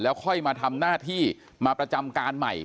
ค่อยมาทำหน้าที่มาประจำการใหม่